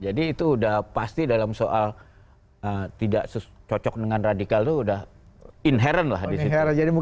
jadi itu udah pasti dalam soal tidak cocok dengan radikal itu udah inherent lah di situ